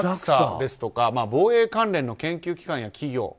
ＪＡＸＡですとか防衛関連の研究機関や企業